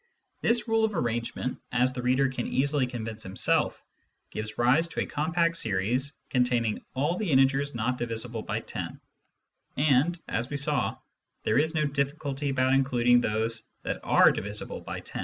This rule of arrangement, 94 Introduction to Mathematical Philosophy as the reader can easily convince himself, gives rise to a compact series containing all the integers not divisible by 10 ; and, as we saw, there is no difficulty about including those that are divisible by 10.